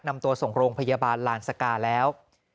นำตัวส่งโรงพยาบาลลานสกาแล้ว